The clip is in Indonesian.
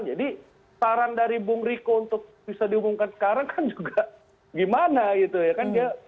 jadi saran dari bung riko untuk bisa diumumkan sekarang kan juga gimana itu ya kan